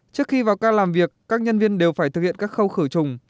trước khi vào cao làm việc các nhân viên đều phải thực hiện các khâu khởi trùng